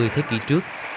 thế kỷ trước